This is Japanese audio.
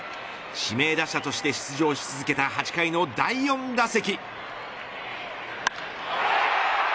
指名打者として出場し続けた８回の第４打席。